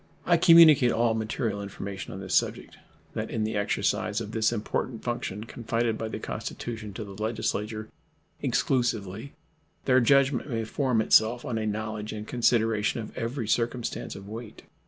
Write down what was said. I communicate all material information on this subject, that in the exercise of this important function confided by the Constitution to the Legislature exclusively their judgment may form itself on a knowledge and consideration of every circumstance of weight.